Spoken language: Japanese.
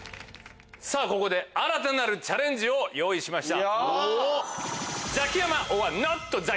ここで新たなるチャレンジを用意しました。